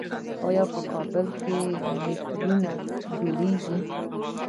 آیا په کابل کې میټرو جوړیږي؟